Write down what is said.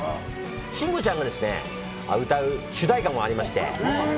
慎吾ちゃんが歌う主題歌もありまして。